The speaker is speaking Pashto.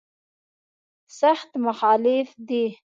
سخت مخالف دی.